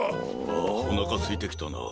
あおなかすいてきたなあ。